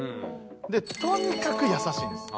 でとにかく優しいんです。